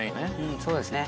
そうですね。